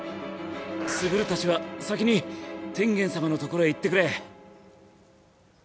傑たちは先に天元様のところへ行ってくれ。